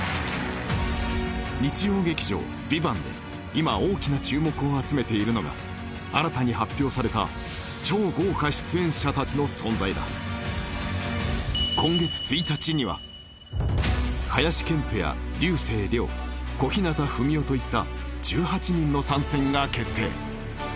日曜劇場「ＶＩＶＡＮＴ」で今大きな注目を集めているのが新たに発表された超豪華出演者たちの存在だ今月１日には小日向文世といった１８人の参戦が決定